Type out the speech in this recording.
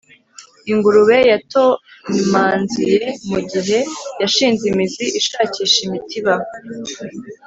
ingurube yatonmanziye mugihe yashinze imizi ishakisha imitiba